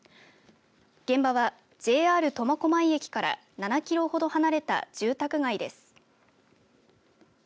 現場はＪＲ苫小牧駅から７キロほど離れた住宅街です。